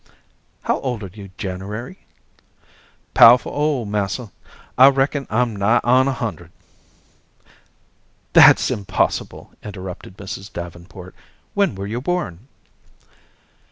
"How old are you, January?" "Powerful ole, massa. I reckon I'm nigh on a hundred." "That's impossible," interrupted Mrs. Davenport. "When were you born?"